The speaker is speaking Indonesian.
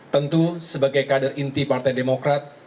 tentu sebagai kader inti partai demokrat